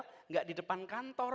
tidak di depan kantor